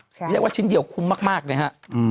เรียกว่าชิ้นเดียวคุ้มมากเลยฮะ